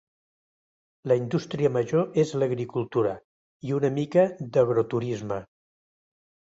La indústria major és l'agricultura i una mica d'agroturisme.